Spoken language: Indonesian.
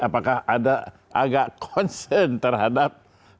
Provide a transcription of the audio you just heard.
apakah ada agak concern terhadap